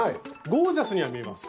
ゴージャスには見えます。